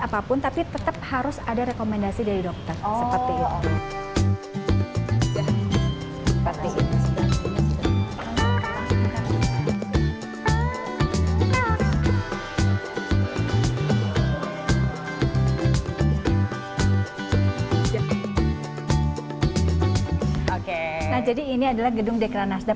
apapun tapi tetap harus ada rekomendasi dari dokter oh oke jadi ini adalah gedung dekranasda